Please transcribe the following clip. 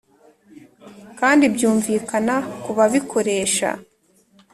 kandi byumvikana ku babikoresha.